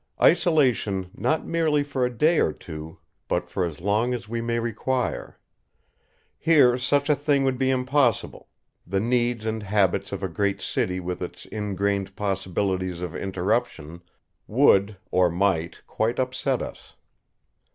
Isolation not merely for a day or two, but for as long as we may require. Here such a thing would be impossible; the needs and habits of a great city with its ingrained possibilities of interruption, would, or might, quite upset us.